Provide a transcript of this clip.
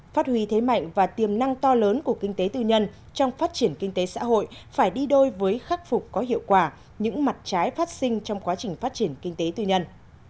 phát huy thế mạnh và tiềm năng to lớn của kinh tế tư nhân trong phát triển kinh tế xã hội phải đi đôi với khắc phục có hiệu quả những mặt trái phát sinh trong quá trình phát triển kinh tế tư nhân